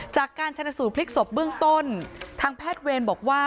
จากการชนสูตรพลิกศพเบื้องต้นทางแพทย์เวรบอกว่า